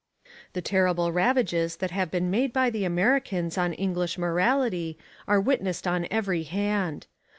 The terrible ravages that have been made by the Americans on English morality are witnessed on every hand.